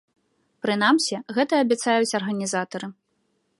Прынамсі, гэта абяцаюць арганізатары.